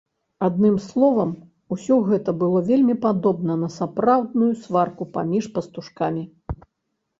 Адным словам, усё гэта было вельмі падобна на сапраўдную сварку паміж пастушкамі.